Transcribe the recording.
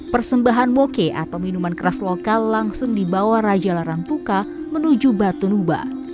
persembahan moke atau minuman keras lokal langsung dibawa raja larantuka menuju batu nuba